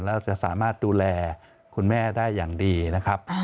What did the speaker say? แล้วจะสามารถดูแลคุณแม่ได้อย่างดีนะครับ